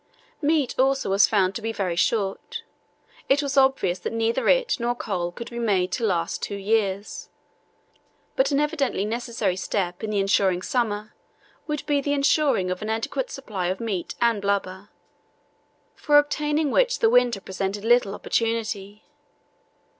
Meat also was found to be very short; it was obvious that neither it nor coal could be made to last two years, but an evidently necessary step in the ensuing summer would be the ensuring of an adequate supply of meat and blubber, for obtaining which the winter presented little opportunity.